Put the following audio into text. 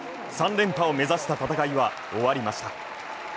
３連覇を目指した戦いは、終わりました。